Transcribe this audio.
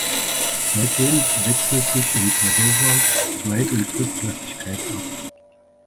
Seitdem wechselt sich in Padova Zweit- und Drittklassigkeit ab.